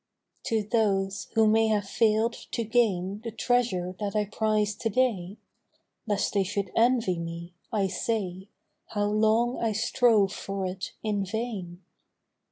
TO those who may have fail'd to gain The treasure that I prize to day, (Lest they should envy me), I say How long I strove for it in vain.